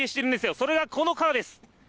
それがこの川です。